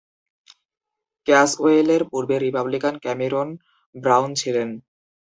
ক্যাসওয়েলের পূর্বে Republican Cameron Brown ছিলেন।